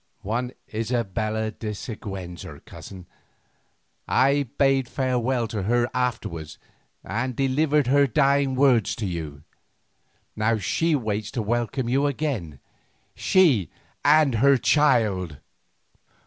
"One Isabella de Siguenza, cousin. I bade farewell to her afterwards and delivered her dying words to you. Now she waits to welcome you again, she and her child."